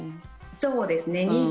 そうですね。